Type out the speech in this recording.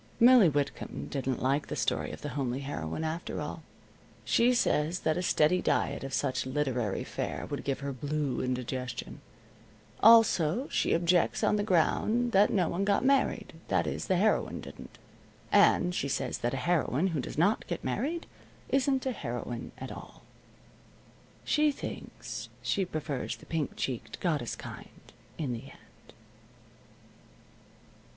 Millie Whitcomb didn't like the story of the homely heroine, after all. She says that a steady diet of such literary fare would give her blue indigestion. Also she objects on the ground that no one got married that is, the heroine didn't. And she says that a heroine who does not get married isn't a heroine at all. She thinks she prefers the pink cheeked, goddess kind, in the end.